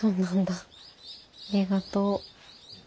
ありがとう。